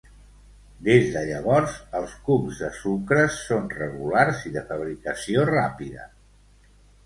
Des de llavors, els cubs de sucres són regulars i de fabricació ràpida.